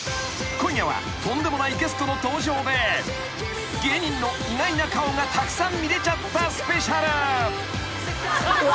［今夜はとんでもないゲストの登場で芸人の意外な顔がたくさん見れちゃったスペシャル］